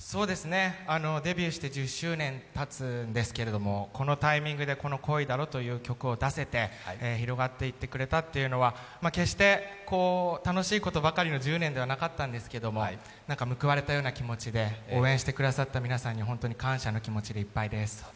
デビューして１０周年たつんですけれども、このタイミングでこの「恋だろ」という曲を出して広がっていってくれたというのは決して楽しいことばかりの１０年ではなかったんですけれども何か報われたような気持ちで応援してくださった皆さんに感謝の気持ちでいっぱいです。